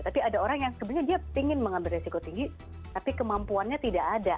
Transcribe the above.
tapi ada orang yang sebenarnya dia ingin mengambil resiko tinggi tapi kemampuannya tidak ada